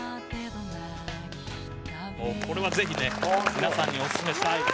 「これはぜひね皆さんにおすすめしたい」